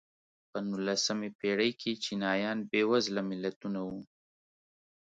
په نولسمې پېړۍ کې چینایان بېوزله ملتونه وو.